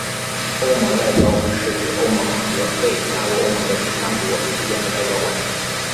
欧盟外交是指欧盟和未加入欧盟的第三国之间的外交关系。